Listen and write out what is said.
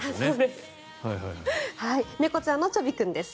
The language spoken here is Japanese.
猫ちゃんのちょび君です。